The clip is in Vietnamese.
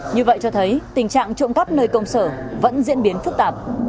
như vậy cho thấy tình trạng trộm cắp nơi công sở vẫn diễn biến phức tạp